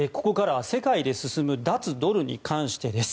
ここからは世界で進む脱ドルに関してです。